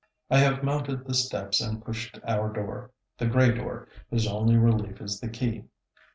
I have mounted the steps and pushed our door; the gray door, whose only relief is the key.